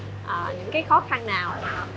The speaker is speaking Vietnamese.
những cái khó khăn nào